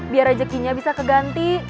biar rezekinya bisa keganti